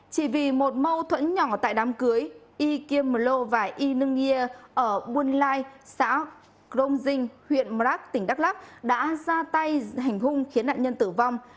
chỉ vì một mâu thuẫn nhỏ tại đám cưới y kim lo và y nương nghia ở buôn lai xã crong dinh huyện mrak tỉnh đắk lắk đã ra tay hành hung khiến nạn nhân tử vong